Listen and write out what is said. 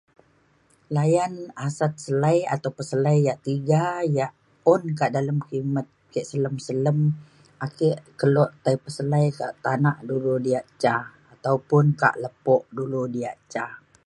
layan asat selai ataupn selai yak tiga yak un kak dalem kimet ke selem selem ake kelo tai peselai kak tanak dulu diak ca ataupun kak lepo dulu diak ca.